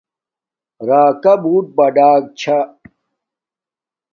راکا بوت بڑک چھا